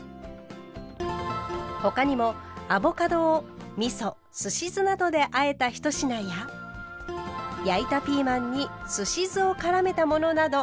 他にもアボカドをみそすし酢などであえた一品や焼いたピーマンにすし酢をからめたものなど。